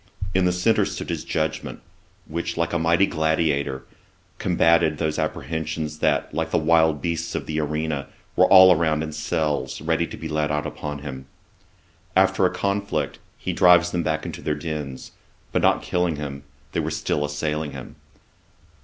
In the centre stood his judgement, which, like a mighty gladiator, combated those apprehensions that, like the wild beasts of the Arena, were all around in cells, ready to be let out upon him. After a conflict, he drives them back into their dens; but not killing them, they were still assailing him.